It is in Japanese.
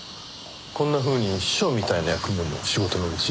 こんなふうに秘書みたいな役目も仕事のうち？